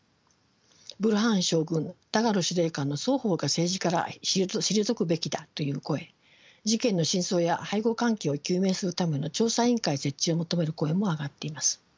ブルハン将軍ダガロ司令官の双方が政治から退くべきだという声事件の真相や背後関係を究明するための調査委員会設置を求める声も上がっています。